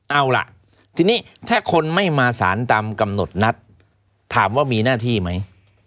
เอาล่ะทีนี้ถ้าคนไม่มาสารตามกำหนดนัดถามว่ามีหน้าที่ไหม